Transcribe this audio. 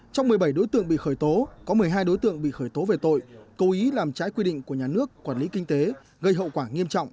trong một mươi bảy đối tượng bị khởi tố có một mươi hai đối tượng bị khởi tố về tội cố ý làm trái quy định của nhà nước quản lý kinh tế gây hậu quả nghiêm trọng